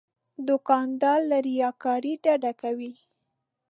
دوکاندار له ریاکارۍ ډډه کوي.